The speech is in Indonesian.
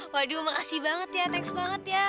waduh makasih banget ya teks banget ya